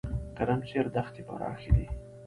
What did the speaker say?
ګرمسیر دښتې پراخې دي؟